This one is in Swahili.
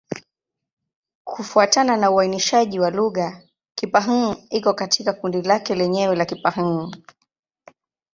Kufuatana na uainishaji wa lugha, Kipa-Hng iko katika kundi lake lenyewe la Kipa-Hng.